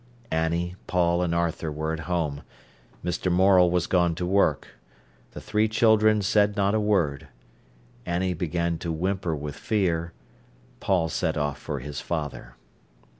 Annie, Paul, and Arthur were at home; Mr. Morel was gone to work. The three children said not a word. Annie began to whimper with fear; Paul set off for his father.